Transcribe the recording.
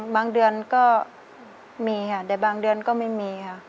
บางเดือนก็มีค่ะแต่บางเดือนก็ไม่มีค่ะ